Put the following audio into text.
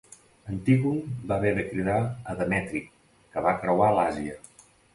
Antígon va haver de cridar a Demetri, que va creuar l'Àsia.